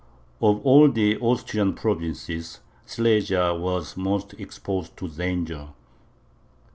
Of all the Austrian provinces, Silesia was most exposed to danger.